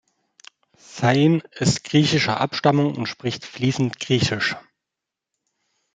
Zane ist griechischer Abstammung und spricht fließend Griechisch.